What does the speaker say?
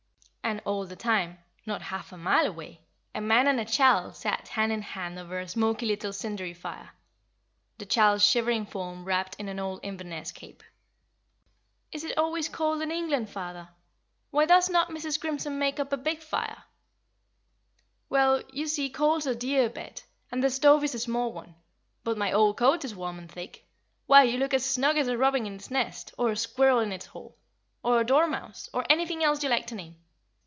And all the time, not half a mile away, a man and a child sat hand in hand over a smoky little cindery fire; the child's shivering form wrapped in an old Inverness cape. "Is it always cold in England, father? Why does not Mrs. Grimson make up a big fire?" "Well, you see coals are dear, Bet, and the stove is a small one; but my old coat is warm and thick. Why, you look as snug as a robin in its nest, or a squirrel in its hole, or a dormouse, or anything else you like to name.